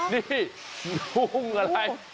นี่ยุ่งอะไร